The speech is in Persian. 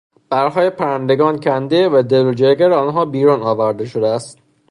پرهای پرندگان کنده و دل و جگر آنها بیرون آورده شده است.